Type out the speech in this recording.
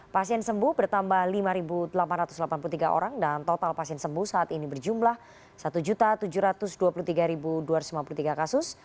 pasien sembuh bertambah lima delapan ratus delapan puluh tiga orang dan total pasien sembuh saat ini berjumlah satu tujuh ratus dua puluh tiga dua ratus lima puluh tiga kasus